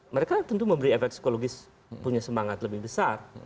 mereka tentu memberi efek psikologis punya semangat lebih besar